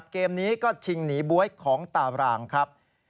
เกมนี้ก็ชิงหนีบ๊วยของตารางครับ